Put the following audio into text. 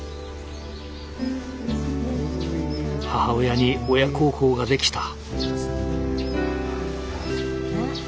母親に親孝行ができた。